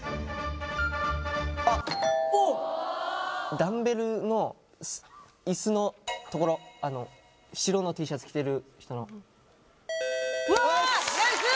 あっおっダンベルのイスのところあの白のＴシャツ着てる人のうわよし！